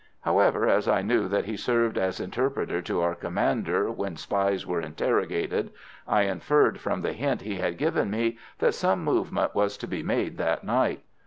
However, as I knew that he served as interpreter to our commander when spies were interrogated, I inferred from the hint he had given me that some movement was to be made that night.